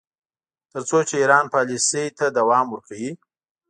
تر څو چې ایران پالیسۍ ته دوام ورکوي.